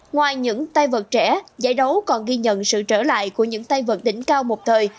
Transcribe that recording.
ngoài những tay vật trẻ giải đấu còn ghi nhận sự trở lại của những tay vật đỉnh cao một thời